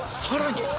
更に